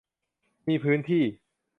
มีพื้นที่